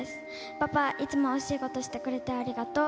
パパ、いつもお仕事してくれてありがとう。